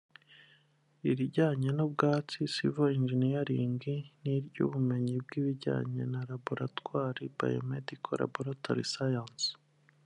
irijyanye n’ubwubatsi (Civil Engineering) n’iry’ubumenyi bw’ibijyanye na Laboratwari (Biomedical Laboratory Sciences)